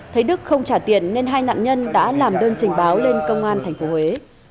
thấy đức không trả tiền nên hai nạn nhân đã làm đơn trình báo lên công an tp huế